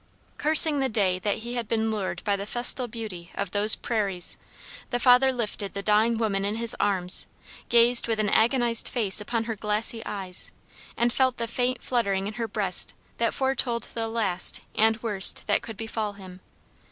Cursing the day that he had been lured by the festal beauty of those prairies, the father lifted the dying woman in his arms, gazed with an agonized face upon her glassy eyes, and felt the faint fluttering in her breast that foretold the last and worst that could befall him.